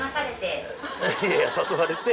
いやいや誘われて。